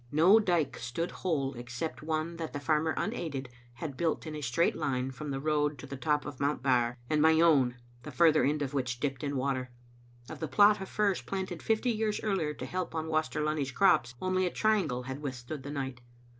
No dike stood whole Digitized by VjOOQ IC 288 Sbe Xittle Afni0ten except one that the farmer, unaided, had built in a straight line from the road to the top of Mount Bare, and my own, the further end of which dipped in water. Of the plot of firs planted fifty years earlier to help on Waster Lunny's crops, only a triangle had withstood the night.